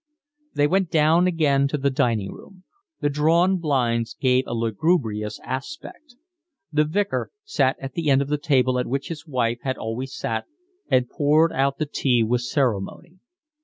They went down again to the dining room. The drawn blinds gave a lugubrious aspect. The Vicar sat at the end of the table at which his wife had always sat and poured out the tea with ceremony.